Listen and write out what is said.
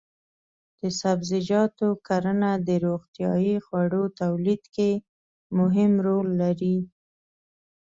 د سبزیجاتو کرنه د روغتیايي خوړو تولید کې مهم رول لري.